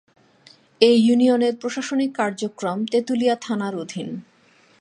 এ ইউনিয়নের প্রশাসনিক কার্যক্রম তেতুলিয়া থানার অধীন।